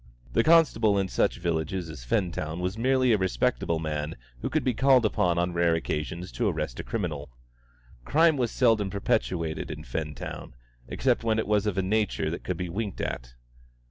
The constable in such villages as Fentown was merely a respectable man who could be called upon on rare occasions to arrest a criminal. Crime was seldom perpetrated in Fentown, except when it was of a nature that could be winked at.